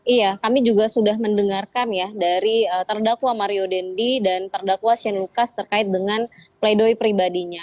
iya kami juga sudah mendengarkan ya dari terdakwa mario dendi dan terdakwa sien lukas terkait dengan play doh pribadinya